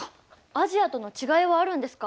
アジアとの違いはあるんですか？